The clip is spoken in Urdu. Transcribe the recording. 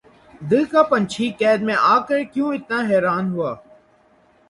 دل کا پنچھی قید میں آ کر کیوں اتنا حیران ہوا